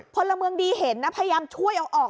พลเมืองดีเห็นนะพยายามช่วยเอาออก